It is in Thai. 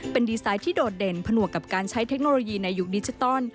เป็นดีไซน์ที่โดดเด่นผนวกกับการใช้เทคโนโลยีในยุคดิจิตอล